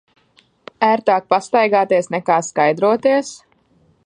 Ērtāk pastaigāties, nekā skaidroties.